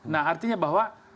nah artinya bahwa